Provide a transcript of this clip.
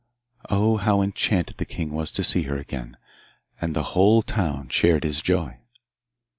Oh, how enchanted the king was to see her again, and the whole town shared his joy!